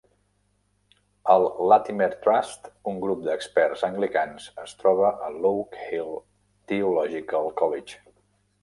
El Latimer Trust, un grup d'experts anglicans, es troba a l'Oak Hill Theological College.